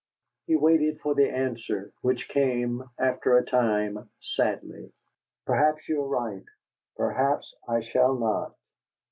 He waited for the answer, which came, after a time, sadly. "Perhaps you are right. Perhaps I shall not."